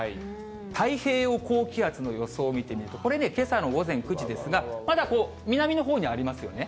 太平洋高気圧の予想を見てみると、これね、けさの午前９時ですが、まだ南のほうにありますよね。